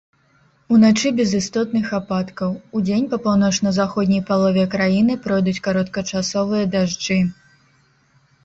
Уначы без істотных ападкаў, удзень па паўночна-заходняй палове краіны пройдуць кароткачасовыя дажджы.